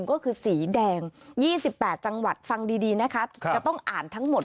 ก็คือสีแดงยี่สิบแปดจังหวัดฟังดีดีนะคะทุกคนต้องอ่านทั้งหมด